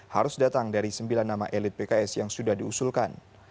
harus datang dari sembilan nama elit pks yang sudah diusulkan